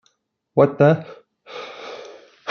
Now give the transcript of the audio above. What the...?